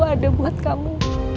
selalu ada buat kamu